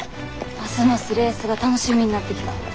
ますますレースが楽しみになってきた。